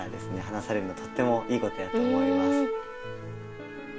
話されるのとってもいいことやと思います。